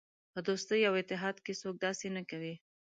په دوستۍ او اتحاد کې څوک داسې نه کوي.